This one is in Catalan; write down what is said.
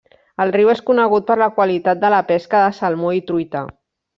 El riu és conegut per la qualitat de la pesca de salmó i truita.